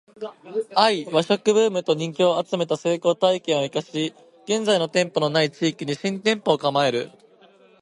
ⅰ 和食ブームと人気を集めた成功体験を活かし現在店舗の無い地域に新店舗を構える